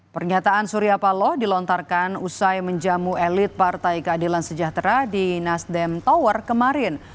pernyataan surya paloh dilontarkan usai menjamu elit partai keadilan sejahtera di nasdem tower kemarin